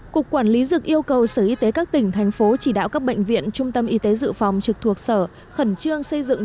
cục quản lý dược yêu cầu sở y tế các tỉnh thành phố chỉ đạo các bệnh viện trung tâm y tế dự phòng trực thuộc sở khẩn trương xây dựng